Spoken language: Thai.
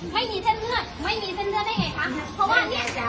ไม่มีเส้นเลือดไม่มีเส้นเลือดได้ไงคะเพราะว่าเนี้ยมันอยู่อย่างเงี้ย